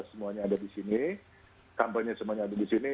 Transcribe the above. semuanya ada di sini kampanye semuanya ada di sini